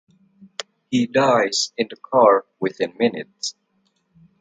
He dies in the car within minutes.